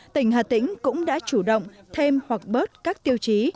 tỉnh hà tĩnh cũng đã chủ động thêm hoặc bớt các tiêu chí